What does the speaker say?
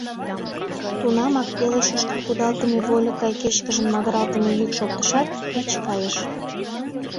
Тунамак пеле шӱшкыл кудалтыме вольык гай кечкыжын магыралтыме йӱк шоктышат, пич кайыш.